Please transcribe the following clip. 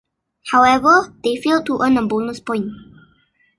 However, they failed to earn a bonus point.